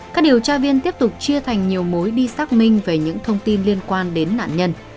các điều tra viên tiếp tục chia thành nhiều mối đi xác minh về những thông tin liên quan đến nạn nhân